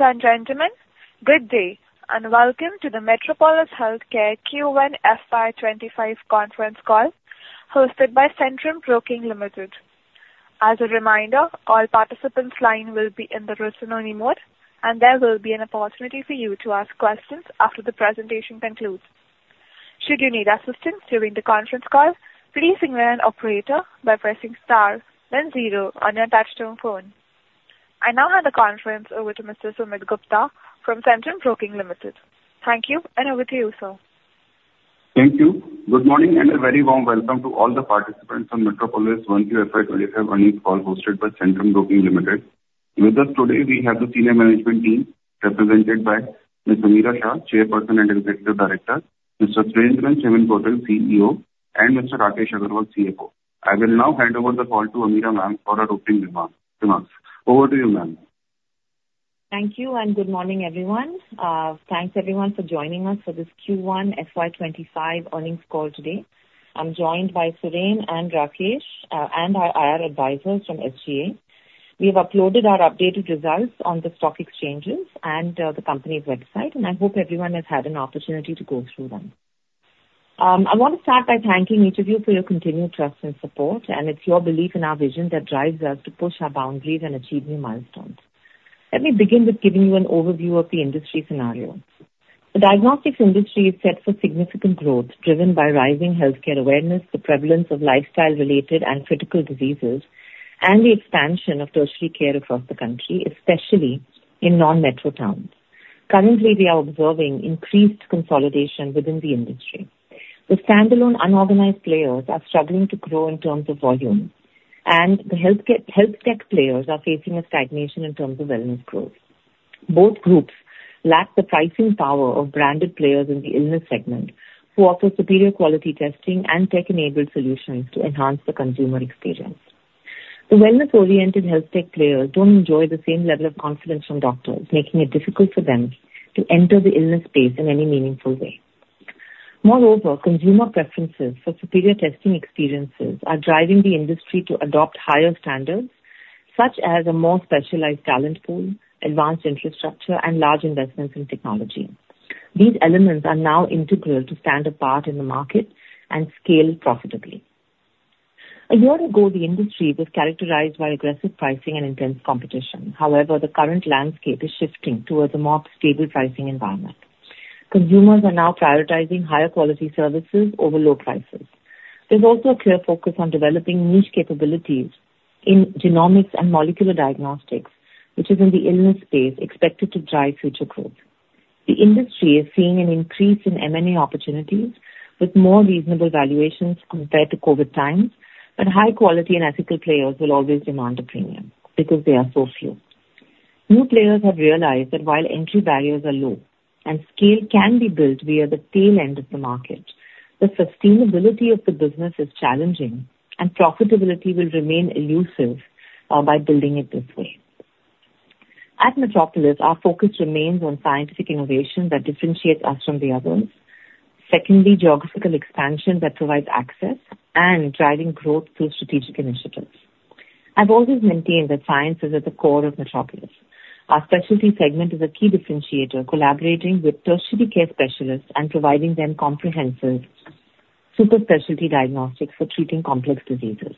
Ladies and gentlemen, good day, and welcome to the Metropolis Healthcare Q1 FY 2025 conference call, hosted by Centrum Broking Limited. As a reminder, all participants' line will be in the listen-only mode, and there will be an opportunity for you to ask questions after the presentation concludes. Should you need assistance during the conference call, please signal an operator by pressing star then zero on your touchtone phone. I now hand the conference over to Mr. Sumit Gupta from Centrum Broking Limited. Thank you, and over to you, sir. Thank you. Good morning, and a very warm welcome to all the participants on Metropolis Q1 FY 2025 earnings call, hosted by Centrum Broking Limited. With us today, we have the senior management team, represented by Ms. Ameera Shah, Chairperson and Executive Director, Mr. Surendran Chemmenkotil, CEO, and Mr. Rakesh Agarwal, CFO. I will now hand over the call to Ameera ma'am for her opening remarks. Over to you, ma'am. Thank you, and good morning, everyone. Thanks, everyone, for joining us for this Q1 FY 2025 earnings call today. I'm joined by Suren and Rakesh, and our IR advisors from SGA. We have uploaded our updated results on the stock exchanges and the company's website, and I hope everyone has had an opportunity to go through them. I want to start by thanking each of you for your continued trust and support, and it's your belief in our vision that drives us to push our boundaries and achieve new milestones. Let me begin with giving you an overview of the industry scenario. The diagnostics industry is set for significant growth, driven by rising healthcare awareness, the prevalence of lifestyle-related and critical diseases, and the expansion of tertiary care across the country, especially in non-metro towns. Currently, we are observing increased consolidation within the industry. The standalone unorganized players are struggling to grow in terms of volume, and the health care, health tech players are facing a stagnation in terms of wellness growth. Both groups lack the pricing power of branded players in the illness segment, who offer superior quality testing and tech-enabled solutions to enhance the consumer experience. The wellness-oriented health tech players don't enjoy the same level of confidence from doctors, making it difficult for them to enter the illness space in any meaningful way. Moreover, consumer preferences for superior testing experiences are driving the industry to adopt higher standards, such as a more specialized talent pool, advanced infrastructure, and large investments in technology. These elements are now integral to stand apart in the market and scale profitably. A year ago, the industry was characterized by aggressive pricing and intense competition. However, the current landscape is shifting towards a more stable pricing environment. Consumers are now prioritizing higher quality services over low prices. There's also a clear focus on developing niche capabilities in genomics and molecular diagnostics, which is in the illness space, expected to drive future growth. The industry is seeing an increase in M&A opportunities with more reasonable valuations compared to COVID times, but high quality and ethical players will always demand a premium because they are so few. New players have realized that while entry barriers are low and scale can be built via the tail end of the market, the sustainability of the business is challenging, and profitability will remain elusive, by building it this way. At Metropolis, our focus remains on scientific innovation that differentiates us from the others. Secondly, geographical expansion that provides access and driving growth through strategic initiatives. I've always maintained that science is at the core of Metropolis. Our specialty segment is a key differentiator, collaborating with tertiary care specialists and providing them comprehensive super specialty diagnostics for treating complex diseases.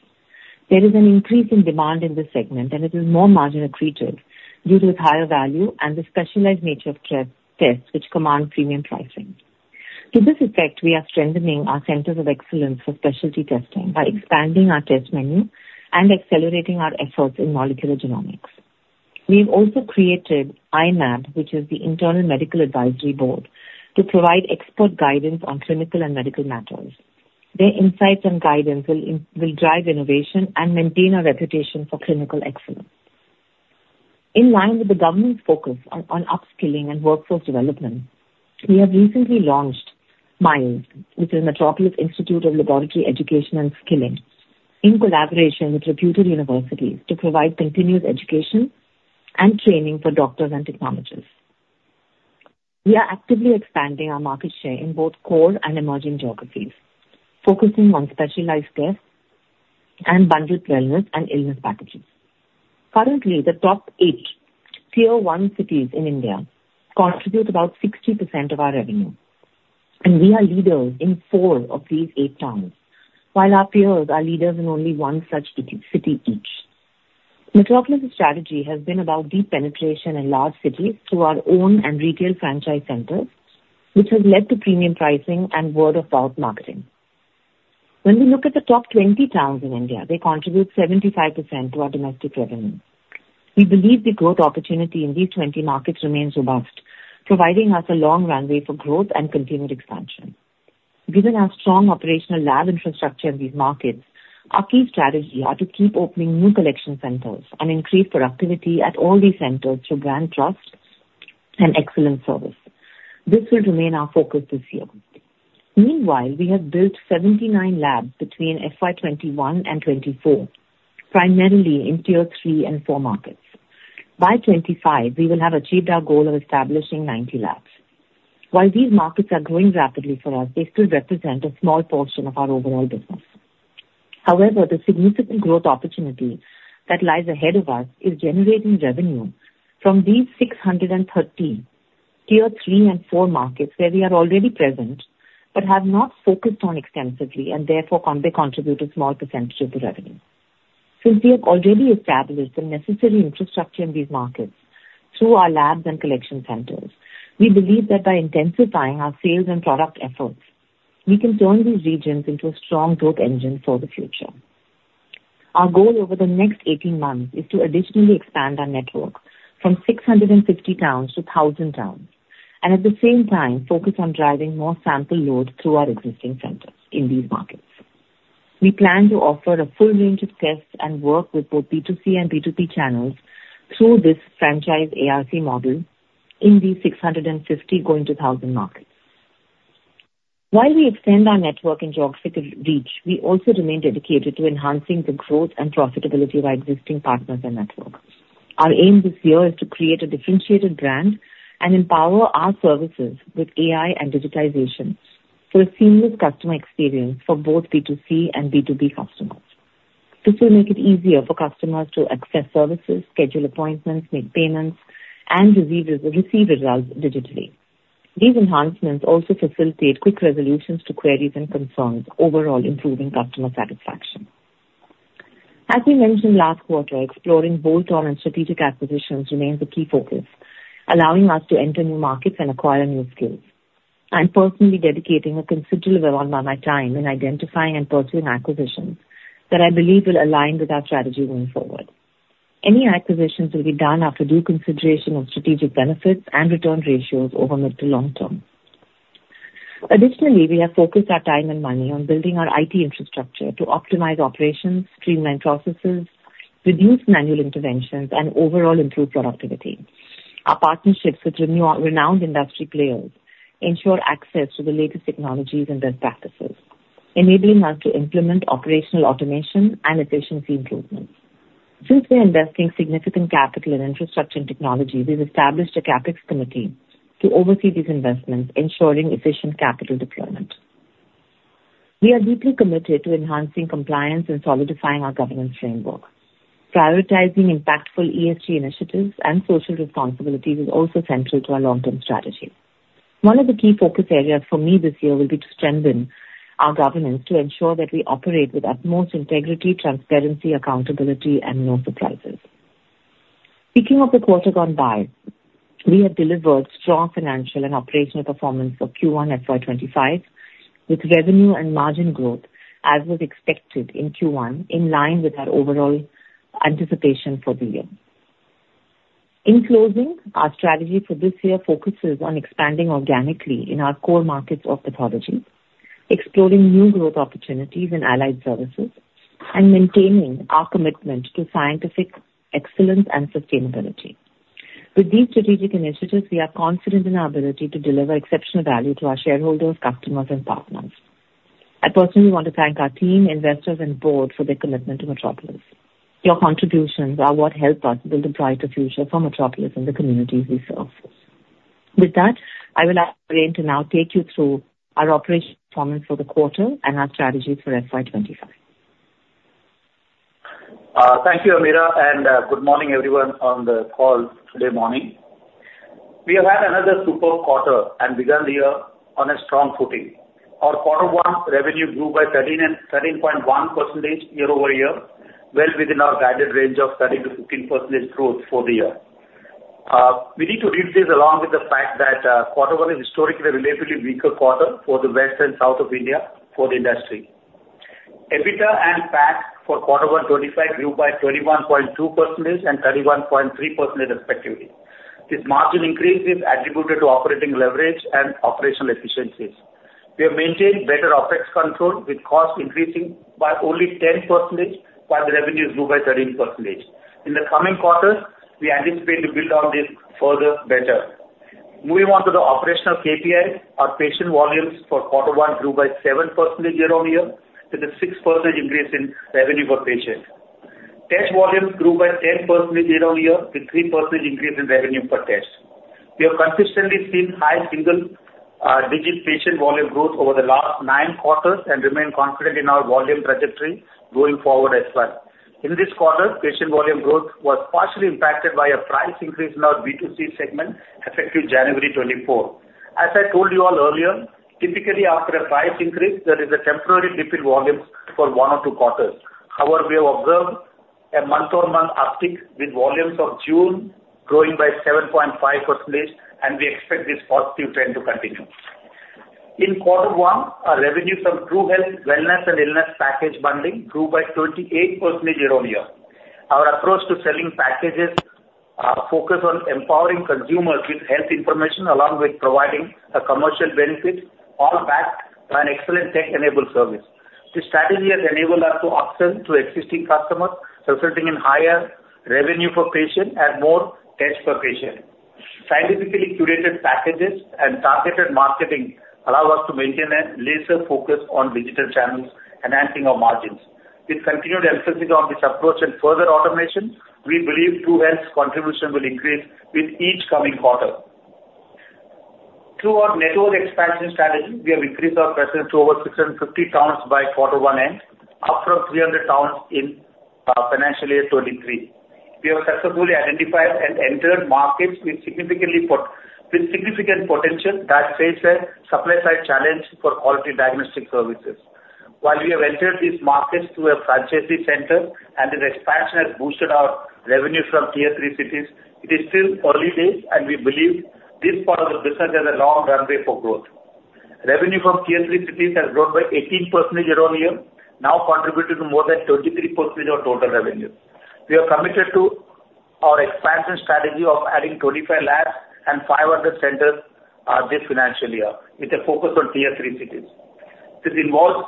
There is an increasing demand in this segment, and it is more margin accretive due to its higher value and the specialized nature of care tests, which command premium pricing. To this effect, we are strengthening our centers of excellence for specialty testing by expanding our test menu and accelerating our efforts in molecular genomics. We've also created i-MAB, which is the internal Medical Advisory Board, to provide expert guidance on clinical and medical matters. Their insights and guidance will drive innovation and maintain our reputation for clinical excellence. In line with the government's focus on upskilling and workforce development, we have recently launched MiLES, which is Metropolis Institute of Laboratory Education and Skilling, in collaboration with reputed universities to provide continuous education and training for doctors and technologists. We are actively expanding our market share in both core and emerging geographies, focusing on specialized tests and bundled wellness and illness packages. Currently, the top 8 Tier 1 cities in India contribute about 60% of our revenue, and we are leaders in 4 of these 8 towns, while our peers are leaders in only 1 such city each. Metropolis' strategy has been about deep penetration in large cities through our own and retail franchise centers, which has led to premium pricing and word-of-mouth marketing. When we look at the top 20 towns in India, they contribute 75% to our domestic revenue. We believe the growth opportunity in these 20 markets remains robust, providing us a long runway for growth and continued expansion. Given our strong operational lab infrastructure in these markets, our key strategy are to keep opening new collection centers and increase productivity at all these centers through brand trust and excellent service. This will remain our focus this year. Meanwhile, we have built 79 labs between FY 2021 and 2024, primarily in Tier 3 and Tier 4 markets. By 2025, we will have achieved our goal of establishing 90 labs. While these markets are growing rapidly for us, they still represent a small portion of our overall business. However, the significant growth opportunities that lie ahead of us is generating revenue from these 613 Tier 3 and Tier 4 markets, where we are already present, but have not focused on extensively, and therefore, they contribute a small percentage of the revenue. Since we have already established the necessary infrastructure in these markets through our labs and collection centers, we believe that by intensifying our sales and product efforts, we can turn these regions into a strong growth engine for the future. Our goal over the next 18 months is to additionally expand our network from 650 towns to 1,000 towns, and at the same time focus on driving more sample loads through our existing centers in these markets. We plan to offer a full range of tests and work with both B2C and B2B channels through this franchise ARC model in these 650 going to 1,000 markets. While we extend our network and geographical reach, we also remain dedicated to enhancing the growth and profitability of our existing partners and network. Our aim this year is to create a differentiated brand and empower our services with AI and digitization for a seamless customer experience for both B2C and B2B customers. This will make it easier for customers to access services, schedule appointments, make payments, and receive results digitally. These enhancements also facilitate quick resolutions to queries and concerns, overall improving customer satisfaction. As we mentioned last quarter, exploring bolt-on and strategic acquisitions remains a key focus, allowing us to enter new markets and acquire new skills. I'm personally dedicating a considerable amount of my time in identifying and pursuing acquisitions that I believe will align with our strategy going forward. Any acquisitions will be done after due consideration of strategic benefits and return ratios over mid to long term. Additionally, we have focused our time and money on building our IT infrastructure to optimize operations, streamline processes, reduce manual interventions, and overall improve productivity. Our partnerships with renowned industry players ensure access to the latest technologies and best practices, enabling us to implement operational automation and efficiency improvements. Since we are investing significant capital in infrastructure and technology, we've established a CapEx committee to oversee these investments, ensuring efficient capital deployment. We are deeply committed to enhancing compliance and solidifying our governance framework. Prioritizing impactful ESG initiatives and social responsibilities is also central to our long-term strategy. One of the key focus areas for me this year will be to strengthen our governance to ensure that we operate with utmost integrity, transparency, accountability and no surprises. Speaking of the quarter gone by, we have delivered strong financial and operational performance for Q1 FY 2025, with revenue and margin growth as was expected in Q1, in line with our overall anticipation for the year. In closing, our strategy for this year focuses on expanding organically in our core markets of pathology, exploring new growth opportunities in allied services, and maintaining our commitment to scientific excellence and sustainability. With these strategic initiatives, we are confident in our ability to deliver exceptional value to our shareholders, customers, and partners. I personally want to thank our team, investors, and board for their commitment to Metropolis. Your contributions are what help us build a brighter future for Metropolis and the communities we serve. With that, I will ask Suren to now take you through our operational performance for the quarter and our strategy for FY 2025. Thank you, Ameera, and good morning, everyone on the call today morning. We have had another superb quarter and begun the year on a strong footing. Our quarter one revenue grew by 13% and 13.1% year over year, well within our guided range of 13%-15% growth for the year. We need to read this along with the fact that quarter one is historically a relatively weaker quarter for the west and south of India for the industry. EBITDA and PAT for quarter one 2025 grew by 31.2% and 31.3% respectively. This margin increase is attributed to operating leverage and operational efficiencies. We have maintained better OpEx control, with costs increasing by only 10%, while the revenues grew by 13%. In the coming quarters, we anticipate to build on this further better. Moving on to the operational KPIs, our patient volumes quarter one grew by 7% year-over-year, with a 6% increase in revenue per patient. Test volumes grew by 10% year-over-year, with 3% increase in revenue per test. We have consistently seen high single digit patient volume growth over the last 9 quarters and remain confident in our volume trajectory going forward as well. In this quarter, patient volume growth was partially impacted by a price increase in our B2C segment, effective January 2024. As I told you all earlier, typically after a price increase, there is a temporary dip in volumes for one or two quarters. However, we have observed a month-over-month uptick, with volumes of June growing by 7.5%, and we expect this positive trend to continue. quarter one, our revenues from TruHealth, wellness and illness package bundling grew by 28% year-over-year. Our approach to selling packages focus on empowering consumers with health information along with providing a commercial benefit, all backed by an excellent tech-enabled service. This strategy has enabled us to upsell to existing customers, resulting in higher revenue per patient and more tests per patient. Scientifically curated packages and targeted marketing allow us to maintain a laser focus on digital channels, enhancing our margins. With continued emphasis on this approach and further automation, we believe TruHealth's contribution will increase with each coming quarter. Through our network expansion strategy, we have increased our presence to over 650 towns quarter one end, up from 300 towns in financial year 2023. We have successfully identified and entered markets with significant potential that face a supply side challenge for quality diagnostic services. While we have entered these markets through a franchisee center, and this expansion has boosted our revenue from Tier 3 cities, it is still early days, and we believe this part of the business has a long runway for growth. Revenue from Tier 3 cities has grown by 18% year-on-year, now contributing to more than 23% of total revenue. We are committed to our expansion strategy of adding 25 labs and 500 centers, this financial year, with a focus on Tier 3 cities. This involves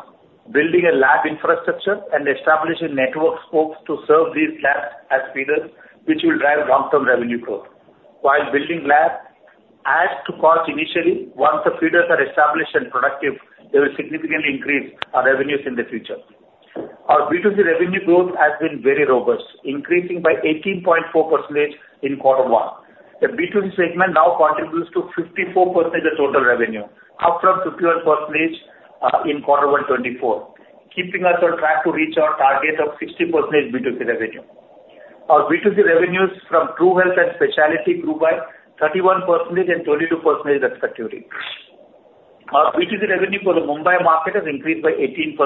building a lab infrastructure and establishing network spokes to serve these labs as feeders, which will drive long-term revenue growth. While building labs adds to cost initially, once the feeders are established and productive, they will significantly increase our revenues in the future. Our B2C revenue growth has been very robust, increasing by 18.4% quarter one. the B2C segment now contributes to 54% of total revenue, up from 51% quarter one 2024, keeping us on track to reach our target of 60% B2C revenue. Our B2C revenues from TruHealth and Specialty grew by 31% and 22%, respectively. Our B2C revenue for the Mumbai market has increased by 18%.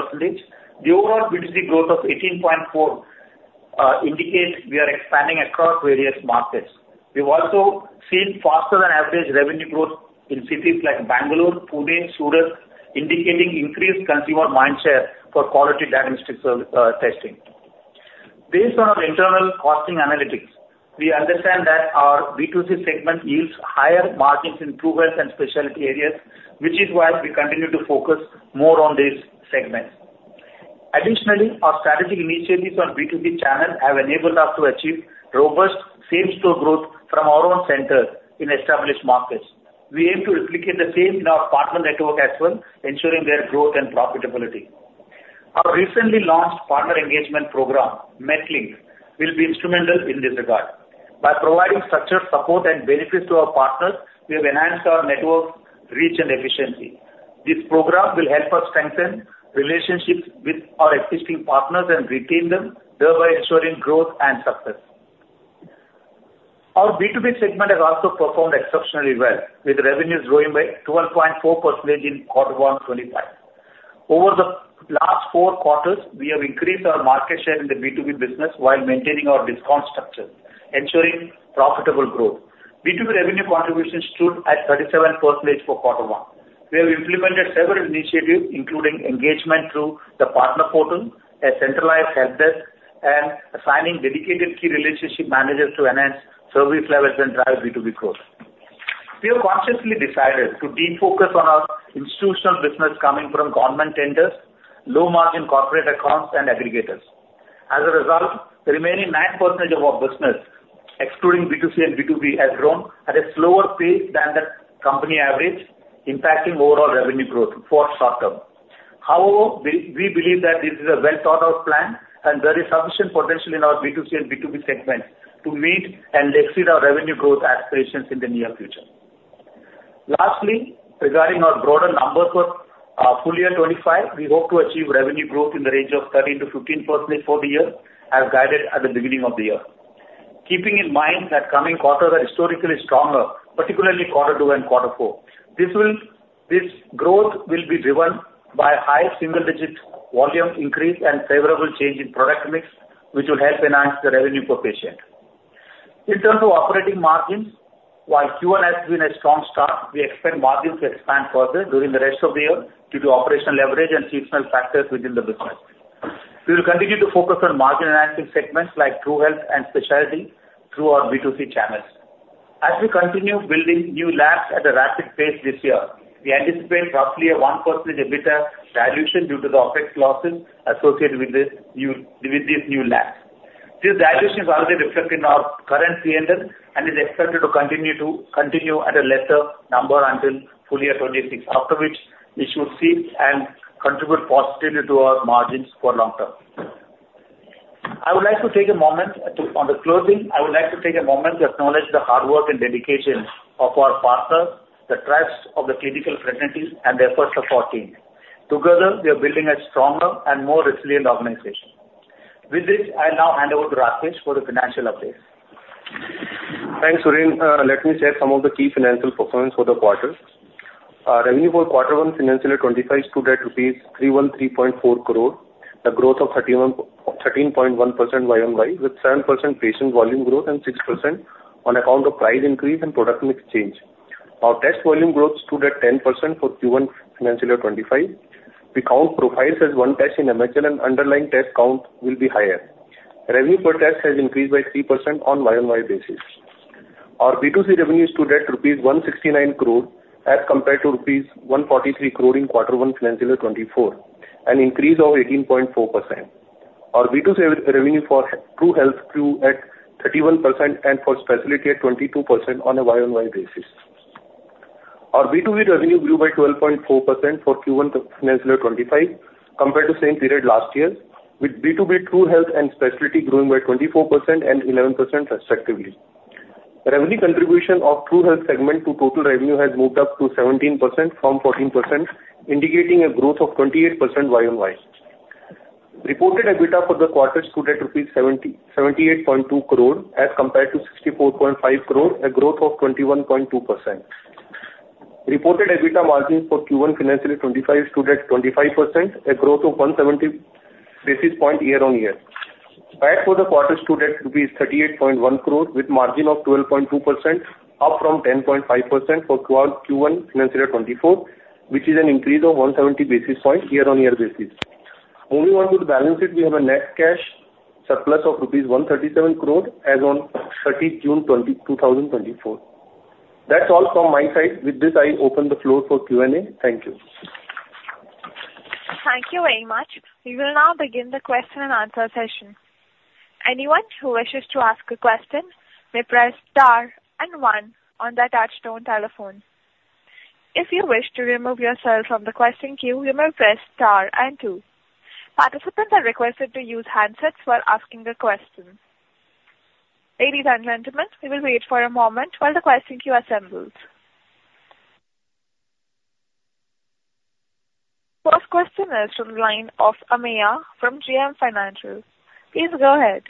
The overall B2C growth of 18.4 indicates we are expanding across various markets. We've also seen faster than average revenue growth in cities like Bengaluru, Pune, Surat, indicating increased consumer mindshare for quality diagnostic testing. Based on our internal costing analytics, we understand that our B2C segment yields higher margins in TruHealth and Specialty areas, which is why we continue to focus more on these segments. Additionally, our strategic initiatives on B2C channel have enabled us to achieve robust same-store growth from our own centers in established markets. We aim to replicate the same in our partner network as well, ensuring their growth and profitability. Our recently launched partner engagement program, Metlink, will be instrumental in this regard. By providing structured support and benefits to our partners, we have enhanced our network reach and efficiency. This program will help us strengthen relationships with our existing partners and retain them, thereby ensuring growth and success. Our B2B segment has also performed exceptionally well, with revenues growing by 12.4% in quarter one 2025. Over the last four quarters, we have increased our market share in the B2B business while maintaining our discount structure, ensuring profitable growth. B2B revenue contribution stood at 37% quarter one. we have implemented several initiatives, including engagement through the partner portal, a centralized helpdesk, and assigning dedicated key relationship managers to enhance service levels and drive B2B growth. We have consciously decided to de-focus on our institutional business coming from government tenders, low-margin corporate accounts, and aggregators. As a result, the remaining 9% of our business, excluding B2C and B2B, has grown at a slower pace than the company average, impacting overall revenue growth for short term. However, we believe that this is a well-thought-out plan, and there is sufficient potential in our B2C and B2B segments to meet and exceed our revenue growth aspirations in the near future. Lastly, regarding our broader numbers for full year 2025, we hope to achieve revenue growth in the range of 13%-15% for the year, as guided at the beginning of the year. Keeping in mind that coming quarters are historically stronger, particularly quarter two and quarter four, this growth will be driven by a high single-digit volume increase and favorable change in product mix, which will help enhance the revenue per patient. In terms of operating margins, while Q1 has been a strong start, we expect margins to expand further during the rest of the year due to operational leverage and seasonal factors within the business. We will continue to focus on margin-enhancing segments like TruHealth and Specialty through our B2C channels. As we continue building new labs at a rapid pace this year, we anticipate roughly a 1% EBITDA dilution due to the upfront losses associated with these new labs. This dilution is already reflected in our current P&L and is expected to continue at a lesser number until full year 2026, after which we should see and contribute positively to our margins for long term. I would like to take a moment to... On the closing, I would like to take a moment to acknowledge the hard work and dedication of our partners, the trust of the clinical franchisees, and the efforts of our team. Together, we are building a stronger and more resilient organization. With this, I now hand over to Rakesh for the financial update. Thanks, Suren. Let me share some of the key financial performance for the quarter. Our revenue for quarter one, financial year 2025, stood at INR 313.4 crore, a growth of 31.1% YoY, with 7% patient volume growth and 6% on account of price increase and product mix change. Our test volume growth stood at 10% for Q1 financial year 2025. We count profiles as one test in MHL, and underlying test count will be higher. Revenue per test has increased by 3% on YoY basis. Our B2C revenue stood at INR 169 crore, as compared to INR 143 crore in quarter one, financial year 2024, an increase of 18.4%. Our B2C revenue for TruHealth grew at 31% and for Specialty at 22% on a year-on-year basis. Our B2B revenue grew by 12.4% for Q1 financial year 25 compared to same period last year, with B2B TruHealth and Specialty growing by 24% and 11%, respectively. The revenue contribution of TruHealth segment to total revenue has moved up to 17% from 14%, indicating a growth of 28% year-on-year. Reported EBITDA for the quarter stood at 78.2 crore, as compared to 64.5 crore, a growth of 21.2%. Reported EBITDA margin for Q1 financial year 2025 stood at 25%, a growth of 170 basis points year-on-year. VAT for the quarter stood at rupees 38.1 crore, with margin of 12.2%, up from 10.5% for Q1, Q1 financial 2024, which is an increase of 170 basis points year-on-year basis. Now, on with balance sheet, we have a net cash surplus of rupees 137 crore as on 30 June 2024. That's all from my side. With this, I open the floor for Q&A. Thank you. Thank you very much. We will now begin the question-and-answer session. Anyone who wishes to ask a question may press star and one on their touchtone telephone. If you wish to remove yourself from the question queue, you may press star and two. Participants are requested to use handsets while asking the question. Ladies and gentlemen, we will wait for a moment while the question queue assembles. First question is from the line of [Ameya] from JM Financial. Please go ahead.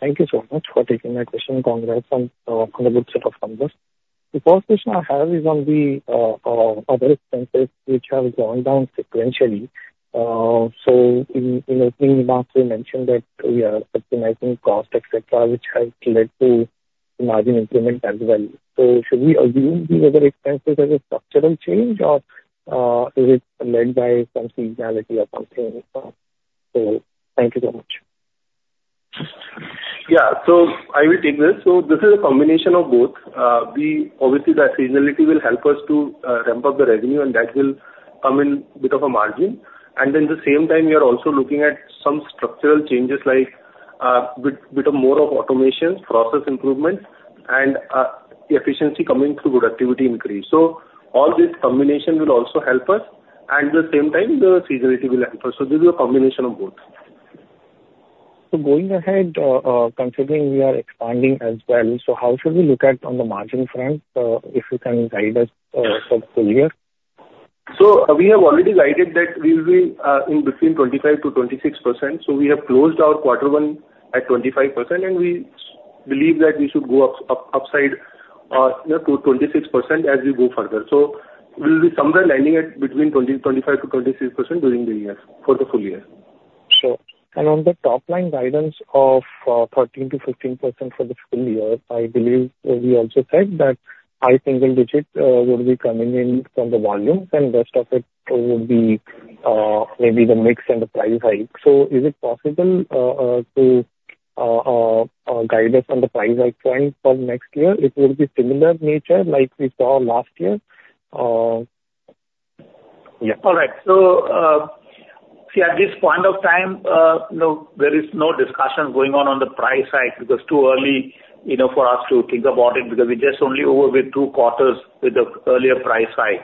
Thank you so much for taking my question. Congrats on the good set of numbers. The first question I have is on the other expenses, which have gone down sequentially. So in opening remarks, you mentioned that we are optimizing cost, et cetera, which has led to margin improvement as well. So should we assume these other expenses as a structural change, or is it led by some seasonality or something? So thank you so much. Yeah. So I will take this. So this is a combination of both. Obviously, the seasonality will help us to ramp up the revenue, and that will come in bit of a margin. And then the same time, we are also looking at some structural changes, like, bit, bit of more of automation, process improvement, and, efficiency coming through productivity increase. So all this combination will also help us, and at the same time, the seasonality will help us. So this is a combination of both. So going ahead, considering we are expanding as well, so how should we look at on the margin front, if you can guide us, for full year? So we have already guided that we will be in between 25%-26%. So we have closed quarter one at 25%, and we believe that we should go up, upside, you know, to 26% as we go further. So we'll be somewhere landing at between 25%-26% during the year, for the full year. Sure. And on the top line guidance of 13%-15% for the full year, I believe we also said that high single digit would be coming in from the volumes, and rest of it would be maybe the mix and the price hike. So is it possible to guide us on the price hike front for next year? It will be similar nature like we saw last year? Yeah. All right. So, see, at this point of time, you know, there is no discussion going on on the price hike, because too early, you know, for us to think about it, because we just only over with two quarters with the earlier price hike.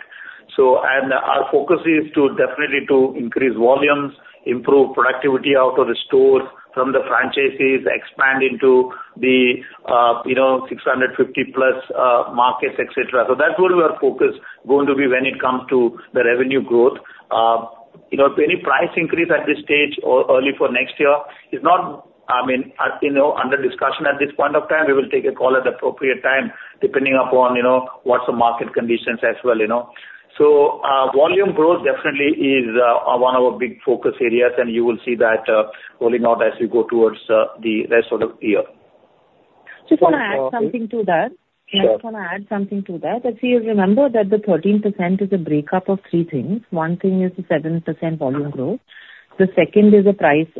So, and our focus is to definitely to increase volumes, improve productivity out of the store from the franchises, expand into the, you know, 650+ markets, et cetera. So that's where we are focused going to be when it comes to the revenue growth. You know, any price increase at this stage or early for next year is not, I mean, you know, under discussion at this point of time. We will take a call at appropriate time, depending upon, you know, what's the market conditions as well, you know. Volume growth definitely is one of our big focus areas, and you will see that rolling out as we go towards the rest of the year. Just want to add something to that. Sure. I just want to add something to that. If you remember that the 13% is a break up of three things. One thing is the 7% volume growth, the second is the price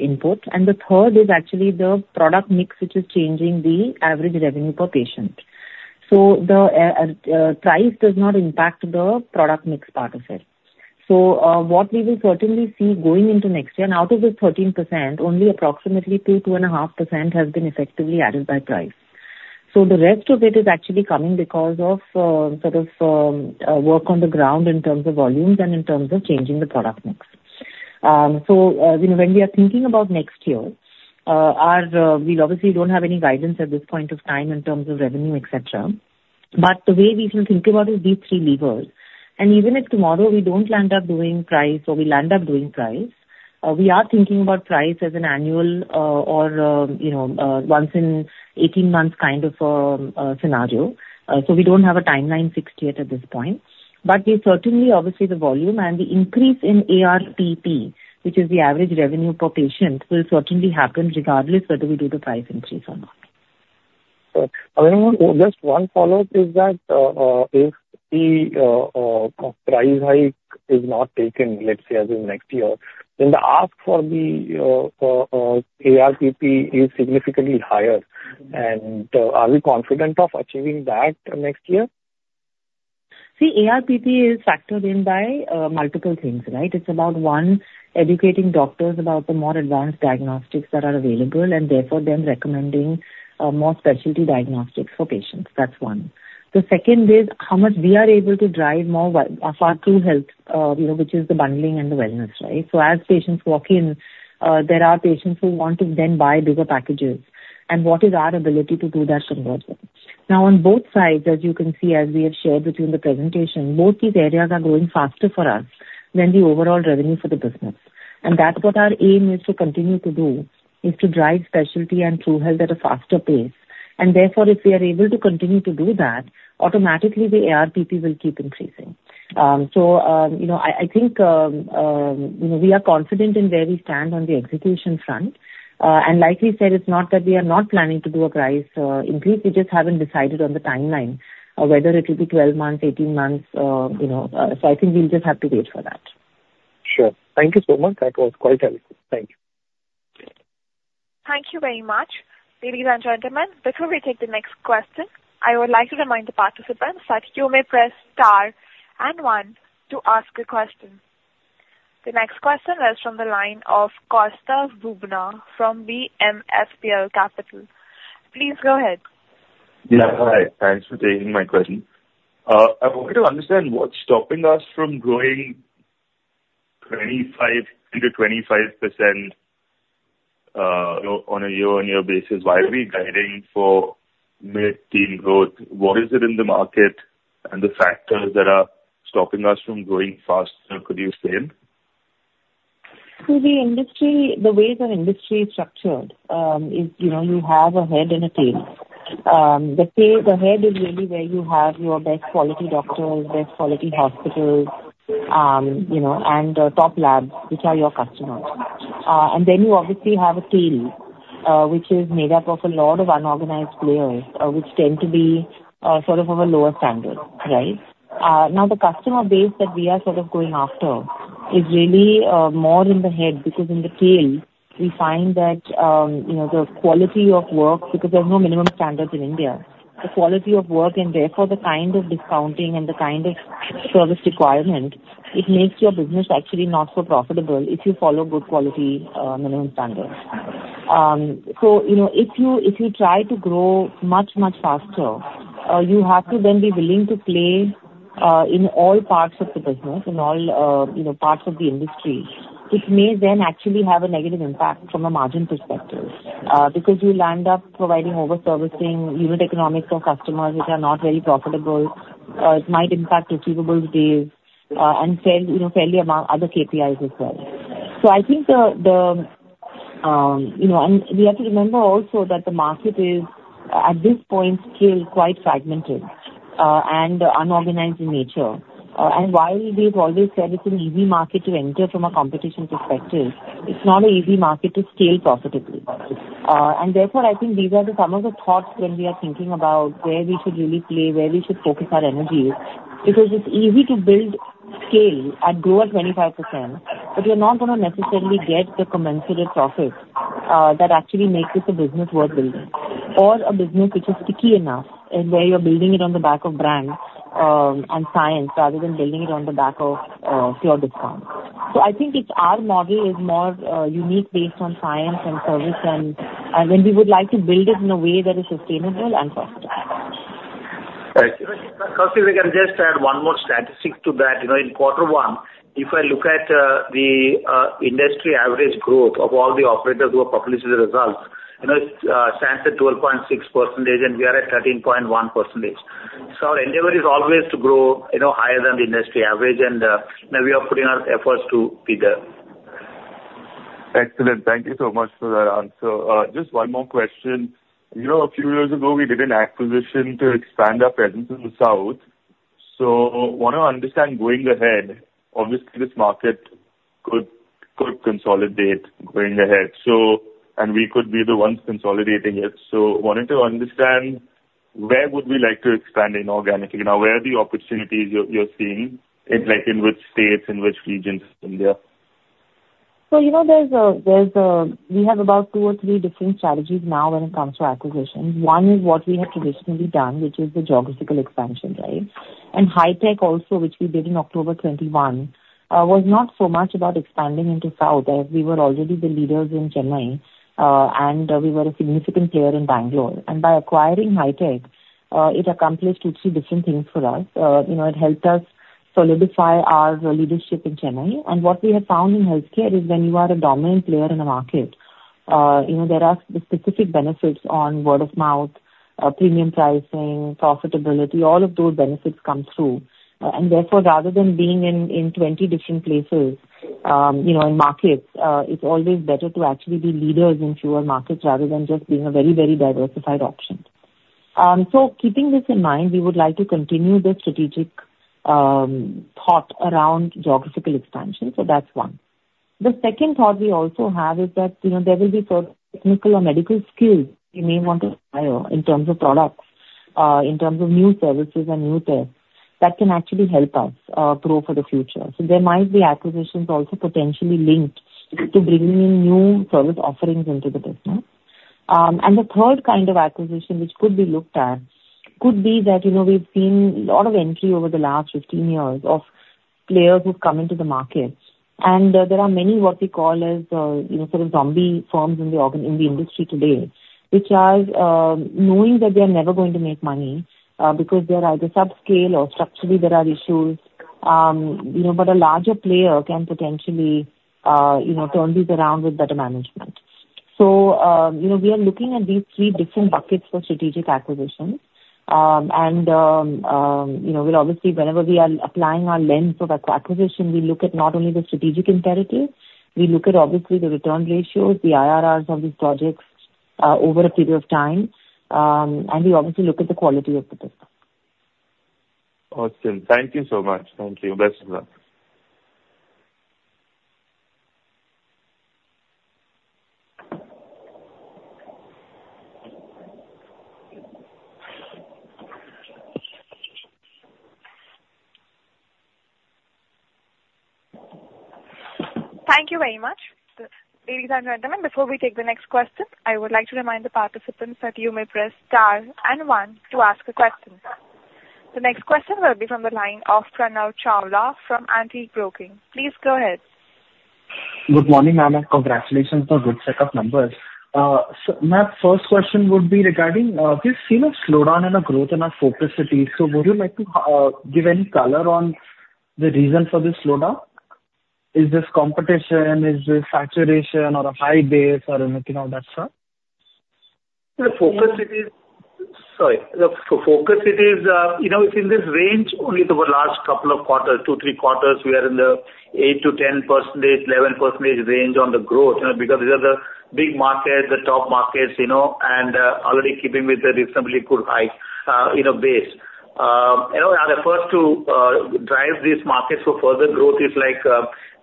input, and the third is actually the product mix, which is changing the average revenue per patient. So the price does not impact the product mix part of it. So, what we will certainly see going into next year, and out of the 13%, only approximately 2%-2.5% has been effectively added by price. So the rest of it is actually coming because of sort of work on the ground in terms of volumes and in terms of changing the product mix. So, you know, when we are thinking about next year, we obviously don't have any guidance at this point of time in terms of revenue, et cetera, but the way we will think about is these three levers. Even if tomorrow we don't land up doing price or we land up doing price, we are thinking about price as an annual, or, you know, once in 18 months kind of scenario. So we don't have a timeline fixed yet at this point, but we certainly obviously the volume and the increase in ARPP, which is the average revenue per patient, will certainly happen regardless whether we do the price increase or not. So just one follow-up is that, if the price hike is not taken, let's say as in next year, then the ask for the ARPP is significantly higher. And, are we confident of achieving that next year? See, ARPP is factored in by multiple things, right? It's about, one, educating doctors about the more advanced diagnostics that are available, and therefore then recommending more specialty diagnostics for patients. That's one....The second is how much we are able to drive more by our TruHealth, you know, which is the bundling and the wellness, right? So as patients walk in, there are patients who want to then buy bigger packages, and what is our ability to do that conversion? Now, on both sides, as you can see, as we have shared with you in the presentation, both these areas are growing faster for us than the overall revenue for the business. And that's what our aim is to continue to do, is to drive specialty and TruHealth at a faster pace. And therefore, if we are able to continue to do that, automatically the ARPP will keep increasing. So, you know, I, I think, you know, we are confident in where we stand on the execution front. And like we said, it's not that we are not planning to do a price increase, we just haven't decided on the timeline of whether it will be 12 months, 18 months, you know. So I think we'll just have to wait for that. Sure. Thank you so much. That was quite helpful. Thank you. Thank you very much. Ladies and gentlemen, before we take the next question, I would like to remind the participants that you may press star and one to ask a question. The next question is from the line of Kaustav Bubna from the BMSPL Capital. Please go ahead. Yeah, hi. Thanks for taking my question. I want to understand what's stopping us from growing 25 into 25%, you know, on a year-on-year basis. Why are we guiding for mid-teen growth? What is it in the market and the factors that are stopping us from growing faster, could you say? The way the industry is structured, is, you know, you have a head and a tail. The head is really where you have your best quality doctors, best quality hospitals, you know, and top labs, which are your customers. And then you obviously have a tail, which is made up of a lot of unorganized players, which tend to be sort of of a lower standard, right? Now, the customer base that we are sort of going after is really more in the head, because in the tail, we find that, you know, the quality of work, because there are no minimum standards in India. The quality of work, and therefore the kind of discounting and the kind of service requirement, it makes your business actually not so profitable if you follow good quality, minimum standards. So, you know, if you, if you try to grow much, much faster, you have to then be willing to play in all parts of the business, in all, you know, parts of the industry, which may then actually have a negative impact from a margin perspective. Because you land up providing over-servicing unit economics for customers which are not very profitable, it might impact receivable days, and fairly, you know, fairly among other KPIs as well. So I think the, the-- You know, and we have to remember also that the market is, at this point, still quite fragmented, and unorganized in nature. While we've always said it's an easy market to enter from a competition perspective, it's not an easy market to scale profitably. Therefore, I think these are some of the thoughts when we are thinking about where we should really play, where we should focus our energies. Because it's easy to build scale and grow at 25%, but you're not gonna necessarily get the commensurate profits that actually makes this a business worth building, or a business which is sticky enough, and where you're building it on the back of brands and science, rather than building it on the back of pure discounts. I think our model is more unique based on science and service, and then we would like to build it in a way that is sustainable and profitable. Right. Costa, if I can just add one more statistic to that. You know, quarter one, if I look at the industry average growth of all the operators who have published the results, you know, it stands at 12.6%, and we are at 13.1%. So our endeavor is always to grow, you know, higher than the industry average, and you know, we are putting our efforts to be there. Excellent. Thank you so much for that answer. Just one more question. You know, a few years ago, we did an acquisition to expand our presence in the south. So want to understand going ahead, obviously, this market could consolidate going ahead. So, and we could be the ones consolidating it. So wanted to understand, where would we like to expand inorganically? Now, where are the opportunities you're seeing, like, in which states, in which regions in India? So, you know, we have about 2 or 3 different strategies now when it comes to acquisitions. One is what we have traditionally done, which is the geographical expansion, right? And Hitech also, which we did in October 2021, was not so much about expanding into South, as we were already the leaders in Chennai, and we were a significant player in Bangalore. And by acquiring Hitech, it accomplished 2 or 3 different things for us. You know, it helped us solidify our leadership in Chennai. And what we have found in healthcare is when you are a dominant player in a market, you know, there are specific benefits on word-of-mouth, premium pricing, profitability, all of those benefits come through. And therefore, rather than being in twenty different places, you know, in markets, it's always better to actually be leaders in fewer markets rather than just being a very, very diversified option. So keeping this in mind, we would like to continue the strategic thought around geographical expansion. So that's one. The second thought we also have is that, you know, there will be certain technical or medical skills we may want to acquire in terms of products, in terms of new services and new tests, that can actually help us grow for the future. So there might be acquisitions also potentially linked to bringing in new service offerings into the business. And the third kind of acquisition, which could be looked at, could be that, you know, we've seen a lot of entry over the last 15 years of-... players who've come into the market, and there are many what we call as, you know, sort of zombie firms in the industry today, which are knowing that they are never going to make money, because they are either subscale or structurally there are issues. You know, but a larger player can potentially, you know, turn this around with better management. So, you know, we are looking at these three different buckets for strategic acquisitions. And, you know, we'll obviously, whenever we are applying our lens of acquisition, we look at not only the strategic imperative, we look at obviously the return ratios, the IRRs of these projects, over a period of time, and we obviously look at the quality of the business. Awesome. Thank you so much. Thank you. Best of luck. Thank you very much. Ladies and gentlemen, before we take the next question, I would like to remind the participants that you may press star one to ask a question. The next question will be from the line of Pranav Chawla from Antique Broking. Please go ahead. Good morning, ma'am, and congratulations on good set of numbers. So my first question would be regarding, we've seen a slowdown in the growth in our focus cities. So would you like to give any color on the reason for this slowdown? Is this competition? Is this saturation or a high base or anything of that sort? The focus cities. Sorry, the focus cities, you know, it's in this range only over the last couple of quarters, 2-3 quarters, we are in the 8%-11% range on the growth, you know, because these are the big markets, the top markets, you know, and already keeping with a reasonably good high, you know, base. You know, and the first to drive these markets for further growth is like,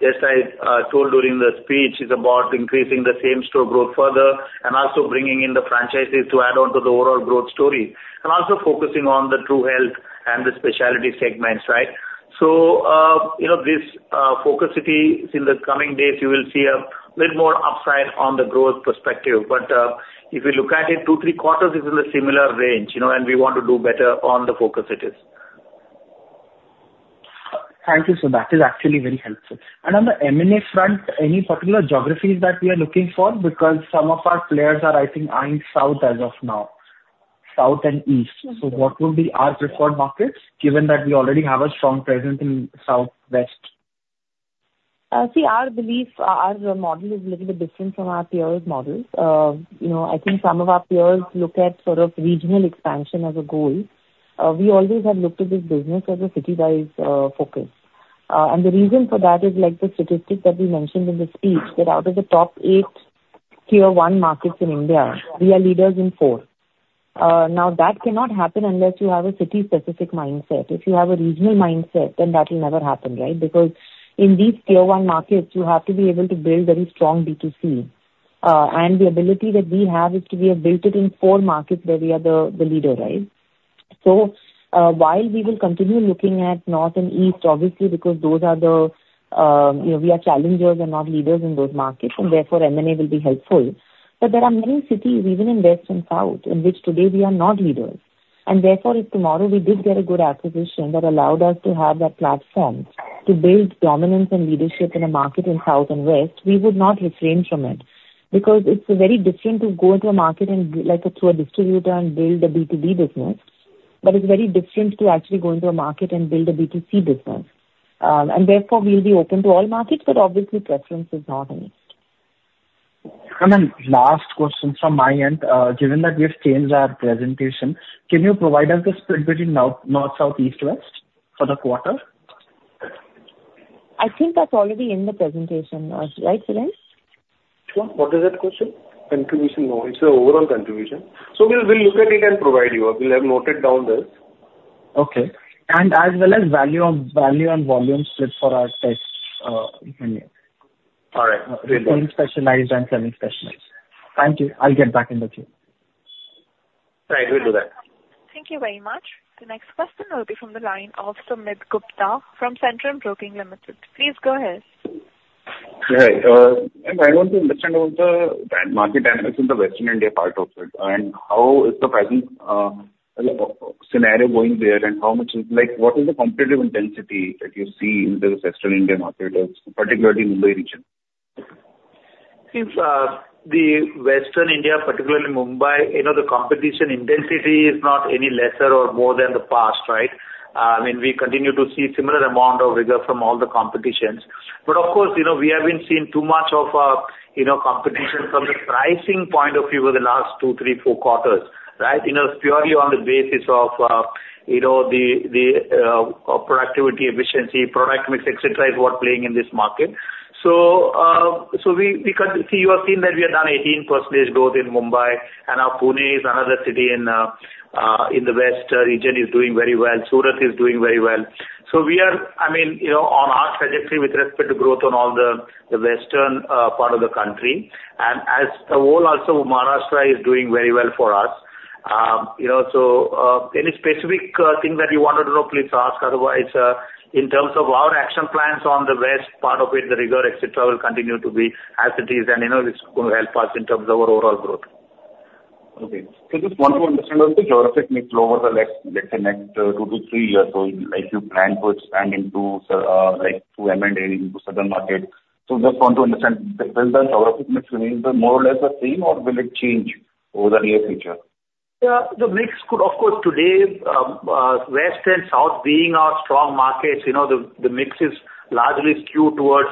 as I told during the speech, is about increasing the same store growth further and also bringing in the franchises to add on to the overall growth story, and also focusing on the TruHealth and the specialty segments, right? So, you know, this focus cities, in the coming days, you will see a little more upside on the growth perspective. If you look at it, 2-3 quarters is in a similar range, you know, and we want to do better on the focus cities. Thank you, so that is actually very helpful. On the M&A front, any particular geographies that we are looking for? Because some of our players are, I think, eyeing South as of now, South and East. What would be our preferred markets, given that we already have a strong presence in Southwest? See, our belief, our, our model is a little bit different from our peers' models. You know, I think some of our peers look at sort of regional expansion as a goal. We always have looked at this business as a city-wise, focus. And the reason for that is, like the statistic that we mentioned in the speech, that out of the top 8 Tier 1 markets in India, we are leaders in four. Now, that cannot happen unless you have a city-specific mindset. If you have a regional mindset, then that will never happen, right? Because in these Tier 1 markets, you have to be able to build very strong B2C. And the ability that we have is we have built it in four markets where we are the, the leader, right? So, while we will continue looking at north and east, obviously, because those are the, you know, we are challengers and not leaders in those markets, and therefore M&A will be helpful. But there are many cities, even in west and south, in which today we are not leaders. And therefore, if tomorrow we did get a good acquisition that allowed us to have that platform to build dominance and leadership in a market in south and west, we would not refrain from it. Because it's very different to go into a market and, like, through a distributor and build a B2B business, but it's very different to actually go into a market and build a B2C business. And therefore, we'll be open to all markets, but obviously preference is north and east. Then last question from my end. Given that we've changed our presentation, can you provide us the split between North, South, East, West for the quarter? I think that's already in the presentation, right, Suren? Sure. What is that question? Contribution? No, it's the overall contribution. So we'll, we'll look at it and provide you. We have noted down this. Okay. As well as value and volume split for our test, if any. All right. Between specialized and semi-specialized. Thank you. I'll get back in the queue. Right, we'll do that. Thank you very much. The next question will be from the line of Sumit Gupta from Centrum Broking Limited. Please go ahead. Hi, I want to understand about the market dynamics in the Western India part of it, and how is the present scenario going there, and how much... Like, what is the competitive intensity that you see in this Western Indian market, particularly Mumbai region? Since the West India, particularly Mumbai, you know, the competition intensity is not any lesser or more than the past, right? I mean, we continue to see similar amount of rigor from all the competitions. But of course, you know, we haven't seen too much of, you know, competition from the pricing point of view over the last two, three, four quarters, right? You know, purely on the basis of, you know, the productivity, efficiency, product mix, et cetera, is what playing in this market. So, we can see, you have seen that we have done 18% growth in Mumbai, and now Pune is another city in, in the West region, is doing very well. Surat is doing very well. So we are, I mean, you know, on our trajectory with respect to growth on all the western part of the country. And as a whole, also, Maharashtra is doing very well for us. You know, so any specific things that you wanted to know, please ask. Otherwise, in terms of our action plans on the west part of it, the rigor, et cetera, will continue to be as it is, and, you know, this is going to help us in terms of our overall growth.... Okay. So just want to understand also geographic mix over the next, let's say, next, two to three years. So like you plan to expand into, like, through M&A into southern markets. So just want to understand, will the geographic mix remain more or less the same, or will it change over the near future? Yeah, the mix could... Of course, today, west and south being our strong markets, you know, the, the mix is largely skewed toward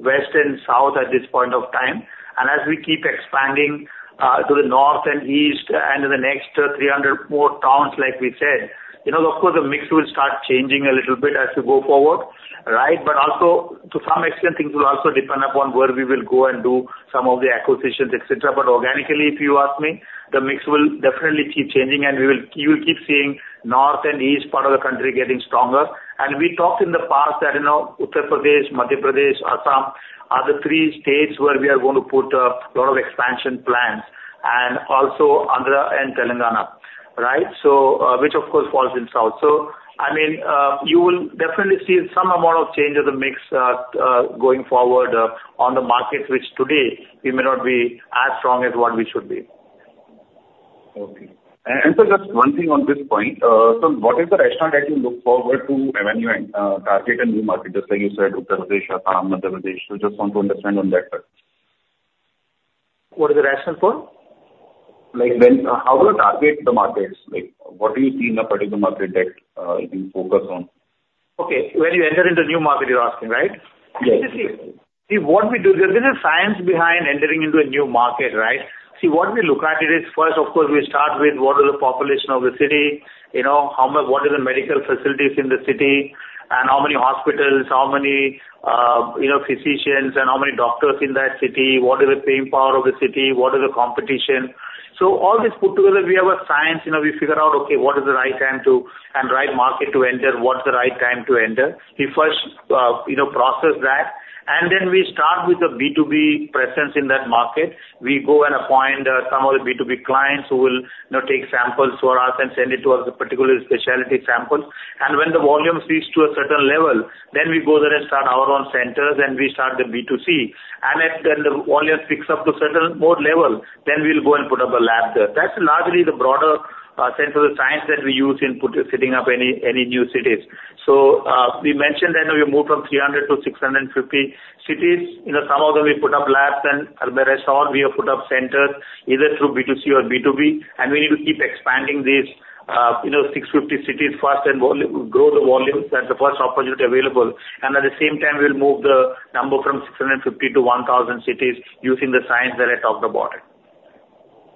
west and south at this point of time. And as we keep expanding to the north and east and to the next 300 more towns, like we said, you know, of course, the mix will start changing a little bit as we go forward, right? But also, to some extent, things will also depend upon where we will go and do some of the acquisitions, et cetera. But organically, if you ask me, the mix will definitely keep changing, and we will- you will keep seeing north and east part of the country getting stronger. And we talked in the past that, you know, Uttar Pradesh, Madhya Pradesh, Assam, are the three states where we are going to put lot of expansion plans, and also Andhra and Telangana, right? So, which of course, falls in south. So, I mean, you will definitely see some amount of change in the mix, going forward, on the markets, which today we may not be as strong as what we should be. Okay. And sir, just one thing on this point. So what is the rationale that you look forward to when you target a new market? Just like you said, Uttar Pradesh, Assam, Madhya Pradesh. So just want to understand on that part. What is the rationale for? How do you target the markets? Like, what do you see in a particular market that you focus on? Okay. When you enter into new market, you're asking, right? Yes. See, what we do, there's been a science behind entering into a new market, right? See, what we look at it is, first, of course, we start with what is the population of the city, you know, how much, what is the medical facilities in the city, and how many hospitals, how many, you know, physicians and how many doctors in that city? What is the paying power of the city? What is the competition? So all this put together, we have a science. You know, we figure out, okay, what is the right time to, and right market to enter, what's the right time to enter. We first, you know, process that, and then we start with a B2B presence in that market. We go and appoint some of the B2B clients who will, you know, take samples for us and send it to us, a particular specialty sample. And when the volume reaches to a certain level, then we go there and start our own centers, and we start the B2C. And if then the volume picks up to certain more level, then we'll go and put up a lab there. That's largely the broader sense of the science that we use in setting up any, any new cities. So, we mentioned that we moved from 300 to 650 cities. You know, some of them we put up labs, and the rest all we have put up centers, either through B2C or B2B. We need to keep expanding these, you know, 650 cities first and grow the volumes at the first opportunity available. At the same time, we'll move the number from 650 to 1,000 cities using the science that I talked about it.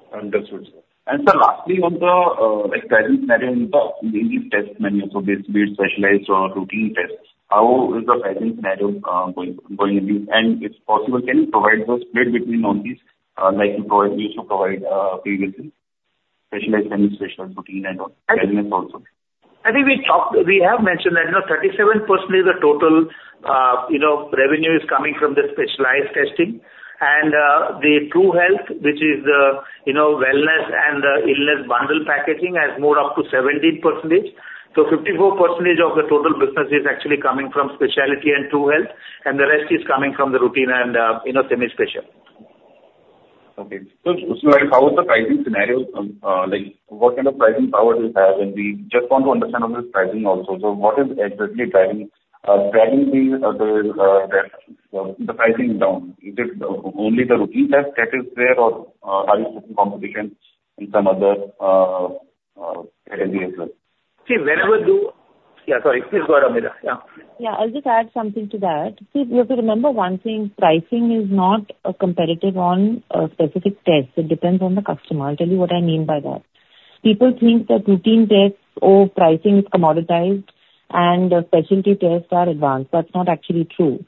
Understood, sir. And sir, lastly, on the, like, pricing scenario, in the test menu, so be it specialized or routine tests, how is the pricing scenario, going with you? And if possible, can you provide the split between all these, like you provide, used to provide, previously, specialized and special routine and all, wellness also. I think we talked... We have mentioned that, you know, 37% the total, you know, revenue is coming from the specialized testing. And the TruHealth, which is the, you know, wellness and the illness bundle packaging, has moved up to 17%. So 54% of the total business is actually coming from specialty and TruHealth, and the rest is coming from the routine and, you know, semi-special. Okay. So, like, how is the pricing scenario, like, what kind of pricing power do you have? And we just want to understand on this pricing also. So what is exactly driving the pricing down? Is it only the routine test that is there, or are you putting competition in some other area as well? See, whenever the... Yeah, sorry. Please go ahead, Ameera. Yeah. Yeah, I'll just add something to that. See, you have to remember one thing, pricing is not a competitive on a specific test. It depends on the customer. I'll tell you what I mean by that. People think that routine tests or pricing is commoditized and specialty tests are advanced. That's not actually true.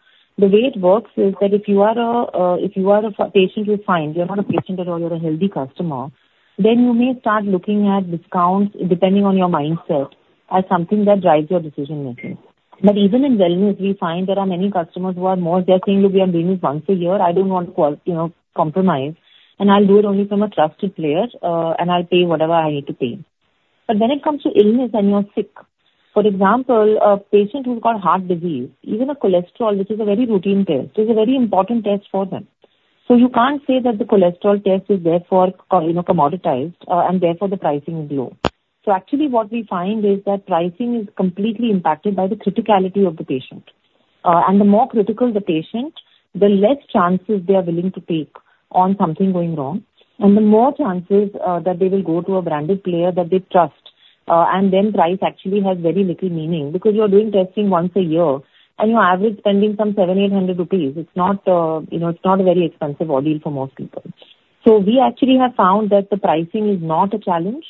The way it works is that if you are a patient, you're fine. You're not a patient at all, you're a healthy customer, then you may start looking at discounts depending on your mindset, as something that drives your decision-making. But even in wellness, we find there are many customers who are more... They're saying: Look, we are doing it once a year. I don't want to, you know, compromise, and I'll do it only from a trusted player, and I'll pay whatever I need to pay. But when it comes to illness and you're sick, for example, a patient who's got heart disease, even a cholesterol, which is a very routine test, is a very important test for them. So you can't say that the cholesterol test is therefore, you know, commoditized, and therefore the pricing is low. So actually, what we find is that pricing is completely impacted by the criticality of the patient. And the more critical the patient, the less chances they are willing to take on something going wrong, and the more chances that they will go to a branded player that they trust. And then price actually has very little meaning, because you're doing testing once a year, and your average spending some 700-800 rupees. It's not, you know, it's not a very expensive ordeal for most people. So we actually have found that the pricing is not a challenge.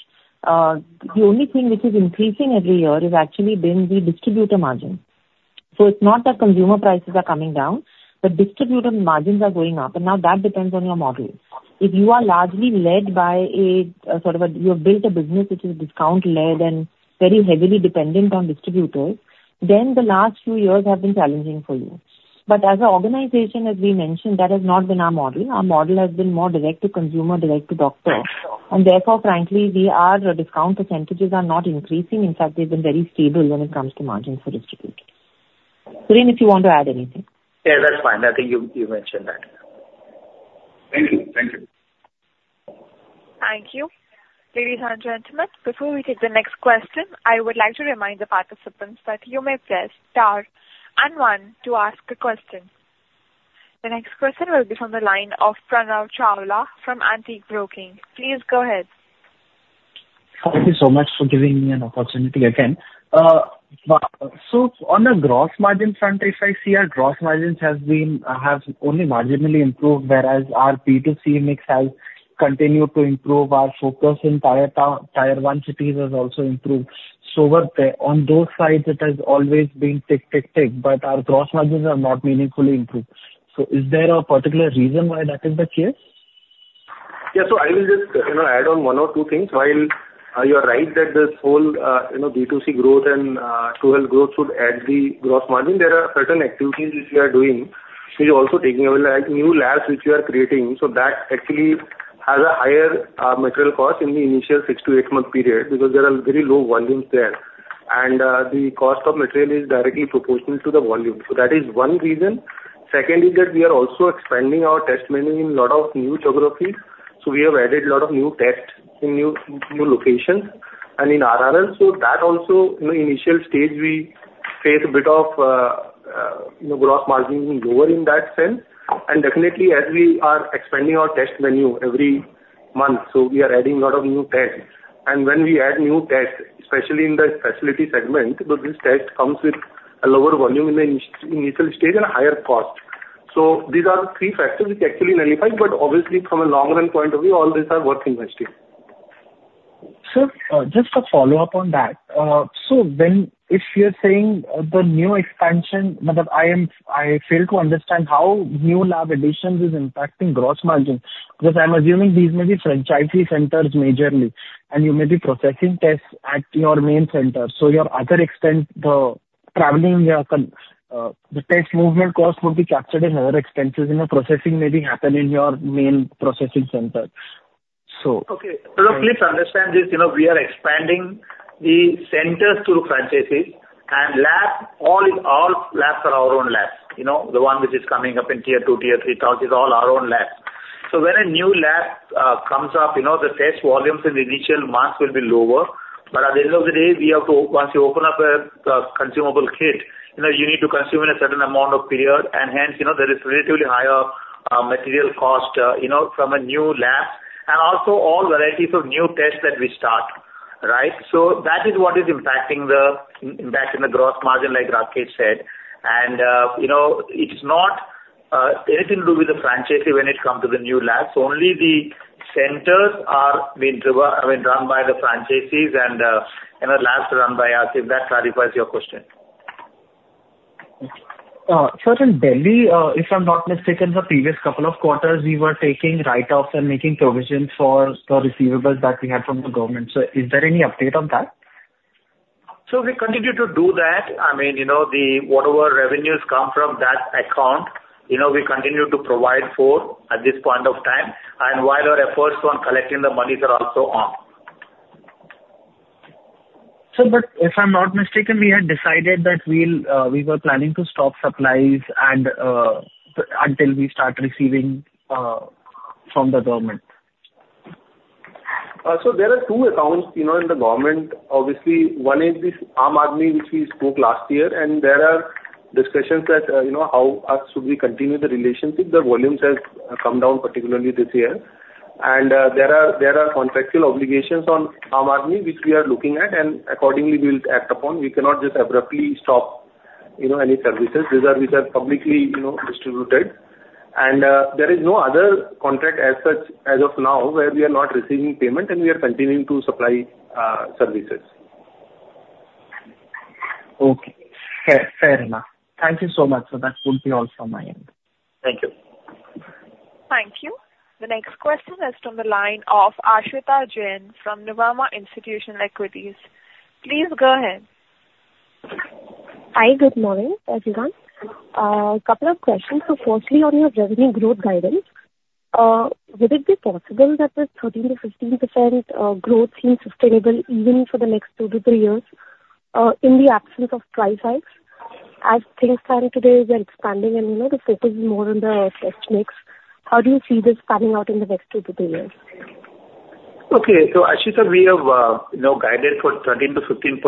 The only thing which is increasing every year is actually been the distributor margin. So it's not that consumer prices are coming down, but distributor margins are going up. And now that depends on your model. If you are largely led by a, sort of a... You have built a business which is discount-led and very heavily dependent on distributors, then the last few years have been challenging for you. But as an organization, as we mentioned, that has not been our model. Our model has been more direct to consumer, direct to doctor. And therefore, frankly, we are, discount percentages are not increasing. In fact, they've been very stable when it comes to margins for distributors. ...Sudhir, if you want to add anything? Yeah, that's fine. I think you, you mentioned that. Thank you. Thank you. Thank you. Ladies and gentlemen, before we take the next question, I would like to remind the participants that you may press star and one to ask a question. The next question will be from the line of Pranav Chawla from Antique Broking. Please go ahead. Thank you so much for giving me an opportunity again. So on the gross margin front, if I see, our gross margins has been, has only marginally improved, whereas our B2C mix has continued to improve. Our focus in Tier 2, Tier 1 cities has also improved. So what, on those sides, it has always been tick, tick, tick, but our gross margins are not meaningfully improved. So is there a particular reason why that is the case? Yeah. So I will just, you know, add on 1 or 2 things. While, you are right that this whole, you know, B2C growth and, TruHealth growth should add the gross margin, there are certain activities which we are doing, which is also taking over, like, new labs which we are creating. So that actually has a higher, material cost in the initial 6 month-8-month period, because there are very low volumes there. And, the cost of material is directly proportional to the volume. So that is one reason. Second is that we are also expanding our test menu in a lot of new geographies, so we have added a lot of new tests in new locations and in RRL. So that also, in the initial stage, we face a bit of, you know, gross margin being lower in that sense. And definitely as we are expanding our test menu every month, so we are adding a lot of new tests. And when we add new tests, especially in the specialty segment, because this test comes with a lower volume in the initial stage and a higher cost. So these are the three factors which actually nullify, but obviously from a long run point of view, all these are worth investing. Sir, just a follow-up on that. So then, if you're saying, the new expansion, but I fail to understand how new lab additions is impacting gross margin. Because I'm assuming these may be franchisee centers majorly, and you may be processing tests at your main center, so your other expense, the traveling, the test movement cost would be captured in other expenses, you know, processing maybe happen in your main processing center. So- Okay. So please understand this, you know, we are expanding the centers through franchisees and lab, all, all labs are our own labs. You know, the one which is coming up in Tier 2, Tier 3 towns, is all our own labs. So when a new lab comes up, you know, the test volumes in the initial months will be lower. But at the end of the day, we have to. Once you open up a consumable kit, you know, you need to consume in a certain amount of period, and hence, you know, there is relatively higher material cost you know from a new lab, and also all varieties of new tests that we start, right? So that is what is impacting the, impacting the gross margin, like Rakesh said. You know, it's not anything to do with the franchisee when it comes to the new labs. Only the centers are being driven, I mean, run by the franchisees and, you know, labs run by us, if that clarifies your question. Sir, in Delhi, if I'm not mistaken, the previous couple of quarters, we were taking write-offs and making provisions for the receivables that we had from the government. So is there any update on that? We continue to do that. I mean, you know, the whatever revenues come from that account, you know, we continue to provide for at this point of time, and while our efforts on collecting the monies are also on. Sir, but if I'm not mistaken, we had decided that we'll, we were planning to stop supplies and, until we start receiving, from the government. So there are two accounts, you know, in the government. Obviously, one is this Aam Aadmi, which we spoke last year, and there are discussions that, you know, how should we continue the relationship. The volumes has come down, particularly this year. And there are contractual obligations on Aam Aadmi, which we are looking at, and accordingly, we'll act upon. We cannot just abruptly stop, you know, any services. These are publicly, you know, distributed. And there is no other contract as such as of now, where we are not receiving payment, and we are continuing to supply services. Okay. Fair, fair enough. Thank you so much, sir. That would be all from my end. Thank you. Thank you. The next question is from the line of Aashita Jain from Nuvama Institutional Equities. Please go ahead. Hi, good morning, everyone. A couple of questions. So firstly, on your revenue growth guidance, would it be possible that the 13%-15% growth seems sustainable even for the next two to three years, in the absence of price hikes? As things stand today, we are expanding and, you know, to focus more on the test mix. How do you see this panning out in the next two to three years? Okay. So, Aashita, we have, you know, guided for 13%-15%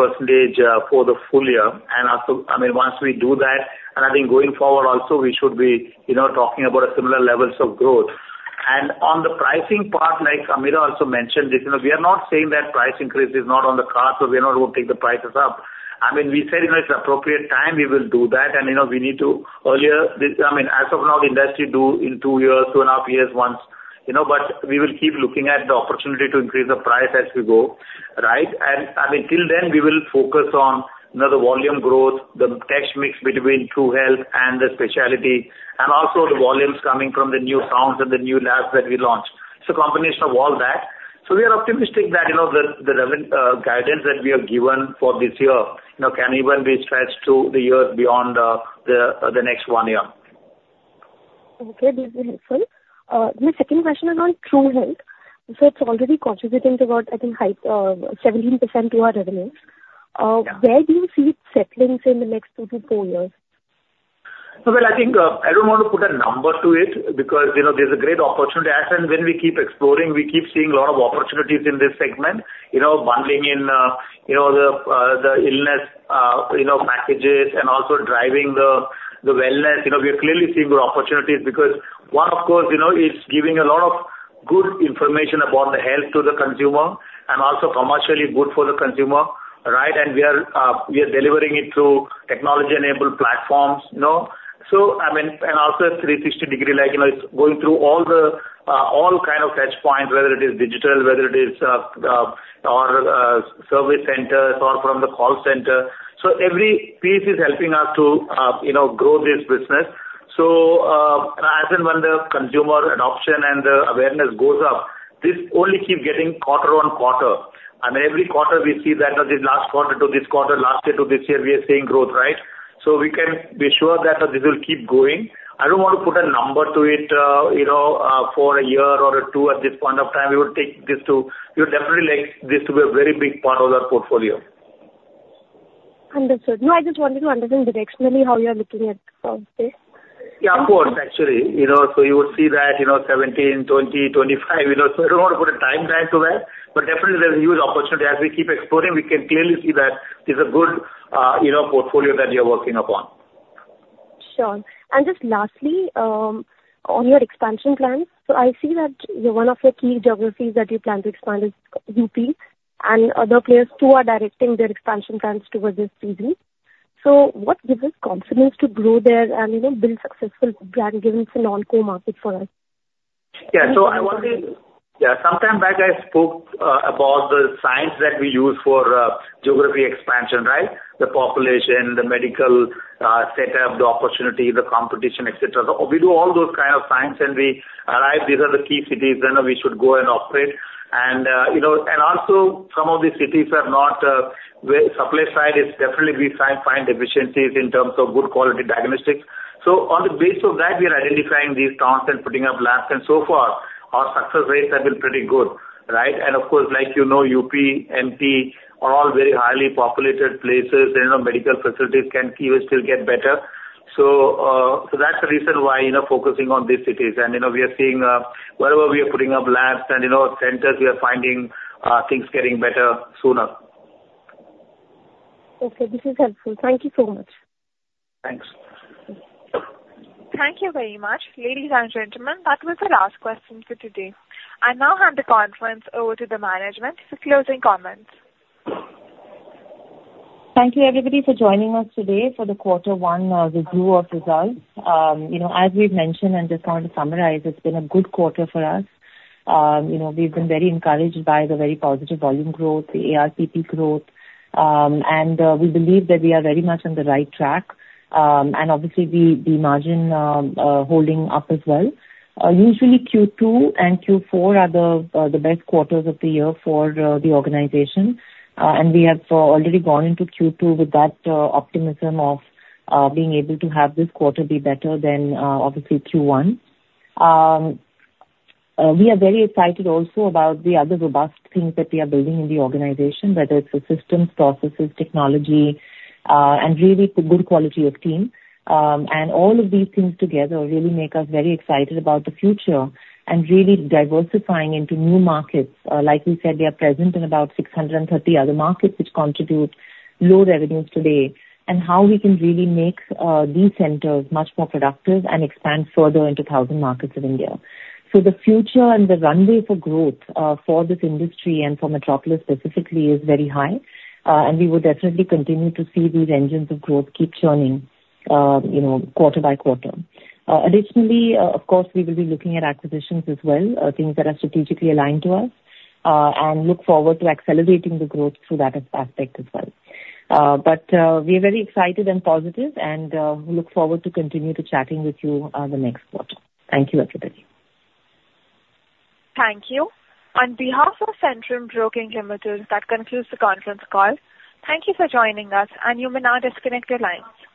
for the full year. And also, I mean, once we do that, and I think going forward also, we should be, you know, talking about similar levels of growth. And on the pricing part, like Ameera also mentioned this, you know, we are not saying that price increase is not on the card, so we are not going to take the prices up. I mean, we said, you know, it's appropriate time, we will do that. And, you know, I mean, as of now, the industry do in 2 years, 2.5 years once, you know, but we will keep looking at the opportunity to increase the price as we go, right? I mean, till then, we will focus on, you know, the volume growth, the test mix between TruHealth and the specialty, and also the volumes coming from the new towns and the new labs that we launched. It's a combination of all that. We are optimistic that, you know, the revenue guidance that we have given for this year, you know, can even be stretched to the years beyond, the next one year.... Okay, this is helpful. My second question is on TruHealth. So it's already contributing to about, I think, high 17% to our revenues. Yeah. Where do you see it settling in the next 2 years-4 years? Well, I think, I don't want to put a number to it because, you know, there's a great opportunity as and when we keep exploring, we keep seeing a lot of opportunities in this segment. You know, bundling in, you know, the illness, you know, packages and also driving the wellness. You know, we are clearly seeing good opportunities because one, of course, you know, it's giving a lot of good information about the health to the consumer and also commercially good for the consumer, right? And we are delivering it through technology-enabled platforms, you know. So I mean, and also a 360-degree, like, you know, it's going through all the, all kind of touch points, whether it is digital, whether it is, or, service centers or from the call center. So every piece is helping us to, you know, grow this business. So, as and when the consumer adoption and the awareness goes up, this only keeps getting quarter-on-quarter. And every quarter we see that as this last quarter to this quarter, last year to this year, we are seeing growth, right? So we can be sure that this will keep going. I don't want to put a number to it, you know, for a year or two at this point of time. We would take this to... We would definitely like this to be a very big part of our portfolio. Understood. No, I just wanted to understand the directionally, how you are looking at this. Yeah, of course, actually. You know, so you would see that, you know, 17, 20, 25, you know, so I don't want to put a timeline to that, but definitely there's a huge opportunity. As we keep exploring, we can clearly see that there's a good, you know, portfolio that we are working upon. Sure. And just lastly, on your expansion plans. So I see that one of your key geographies that you plan to expand is UP, and other players too, are directing their expansion plans towards this region. So what gives us confidence to grow there and, you know, build successful brand, given it's a non-core market for us? Yeah. So I want to-- Yeah, some time back, I spoke about the science that we use for geography expansion, right? The population, the medical setup, the opportunity, the competition, et cetera. We do all those kind of science, and we arrive, these are the key cities, you know, we should go and operate. And you know, and also some of these cities are not where supply side is. Definitely, we find efficiencies in terms of good quality diagnostics. So on the basis of that, we are identifying these towns and putting up labs, and so far, our success rates have been pretty good, right? And of course, like, you know, UP, MP are all very highly populated places, and our medical facilities can even still get better. So that's the reason why, you know, focusing on these cities. You know, we are seeing, wherever we are putting up labs and, you know, centers, we are finding, things getting better sooner. Okay, this is helpful. Thank you so much. Thanks. Thank you very much. Ladies and gentlemen, that was the last question for today. I now hand the conference over to the management for closing comments. Thank you, everybody, for joining us today for quarter one review of results. You know, as we've mentioned and just want to summarize, it's been a good quarter for us. You know, we've been very encouraged by the very positive volume growth, the ARPP growth, and we believe that we are very much on the right track. And obviously, the margin holding up as well. Usually Q2 and Q4 are the best quarters of the year for the organization. And we have already gone into Q2 with that optimism of being able to have this quarter be better than obviously Q1. We are very excited also about the other robust things that we are building in the organization, whether it's the systems, processes, technology, and really good quality of team. And all of these things together really make us very excited about the future and really diversifying into new markets. Like we said, we are present in about 630 other markets, which contribute low revenues today, and how we can really make these centers much more productive and expand further into 1,000 markets of India. So the future and the runway for growth for this industry and for Metropolis specifically is very high. And we would definitely continue to see these engines of growth keep churning, you know, quarter-by-quarter. Additionally, of course, we will be looking at acquisitions as well, things that are strategically aligned to us, and look forward to accelerating the growth through that aspect as well. But, we are very excited and positive and, look forward to continue to chatting with you, the next quarter. Thank you, everybody. Thank you. On behalf of Centrum Broking Limited, that concludes the conference call. Thank you for joining us, and you may now disconnect your lines.